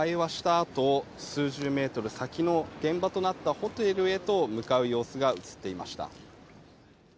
あと数十メートル先の現場となったホテルへと向かう様子が映っていました。